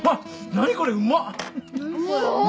何これうまっ。